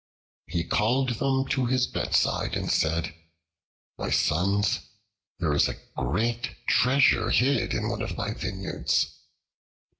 He called them to his bedside and said, "My sons, there is a great treasure hid in one of my vineyards."